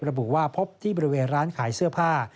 ระบุว่าพบที่บริเวณร้านขายเสื้อผ้า